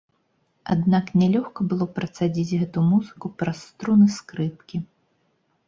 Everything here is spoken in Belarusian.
Аднак нялёгка было працадзіць гэту музыку праз струны скрыпкі.